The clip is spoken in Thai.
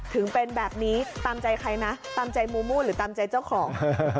ถึงเป็นแบบนี้ตามใจใครนะตามใจมูมูหรือตามใจเจ้าของ